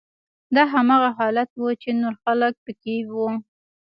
دا هماغه حالت و چې نور خلک پکې وو